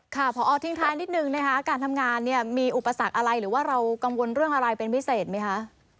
ผอทิ้งท้ายนิดนึงนะคะการทำงานเนี่ยมีอุปสรรคอะไรหรือว่าเรากังวลเรื่องอะไรเป็นพิเศษไหมคะ